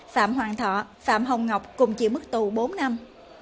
phạm hoàng thọ phạm hồng ngọc cùng chịu mức tù bốn năm